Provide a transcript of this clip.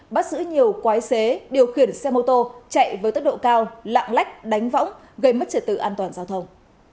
bắt giữ nhiều quái xế điều khiển xe mô tô chạy với tốc độ cao lạng lách đánh võng gây mất trật tự an toàn giao thông